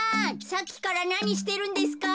さっきからなにしてるんですか？